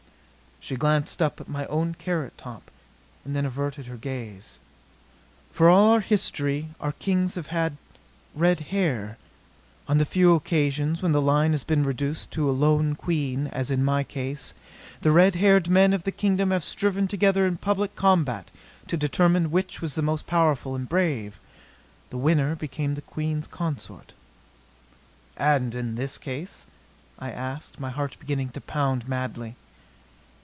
She glanced up at my own carrot top, and then averted her gaze. "For all of our history our kings have had red hair. On the few occasions when the line has been reduced to a lone queen, as in my case, the red haired men of the kingdom have striven together in public combat to determine which was most powerful and brave. The winner became the Queen's consort." "And in this case?" I asked, my heart beginning to pound madly.